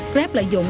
grab lợi dụng